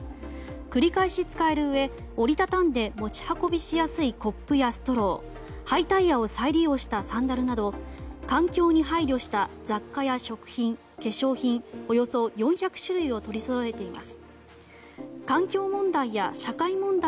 繰り返し使えるうえ折りたたんで持ち運びしやすいコップやストロー廃タイヤを再利用したサンダルなど環境に配慮した雑貨や食品化粧品、およそ４００種類を取りそろえています。